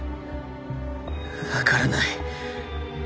分からない。